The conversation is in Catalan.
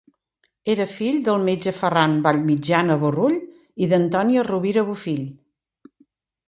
Era fill del metge Ferran Vallmitjana Borrull i d'Antònia Rovira Bofill.